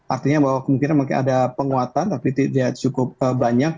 artinya bahwa kemungkinan ada penguatan tapi tidak cukup banyak